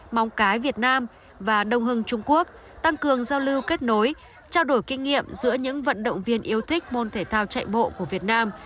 mong cái việt nam và đông hưng trung quốc tăng cường giao lưu kết nối trao đổi kinh nghiệm giữa những vận động viên yêu thích môn thể thao chạy bộ của việt nam